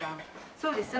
そうです。